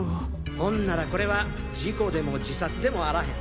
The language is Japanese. ほんならこれは事故でも自殺でもあらへん！